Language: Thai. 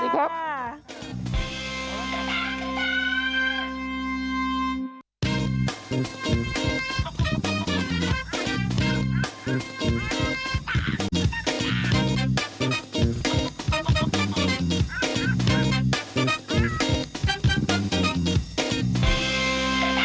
มีเครื่องชาติด้อมด้วยโอ้โห